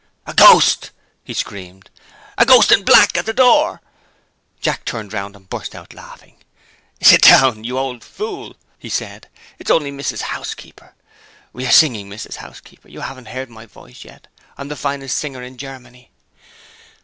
"A ghost!" he screamed. "A ghost in black, at the door!" Jack looked round, and burst out laughing. "Sit down again, you old fool," he said. "It's only Mrs. Housekeeper. We are singing, Mrs. Housekeeper! You haven't heard my voice yet I'm the finest singer in Germany."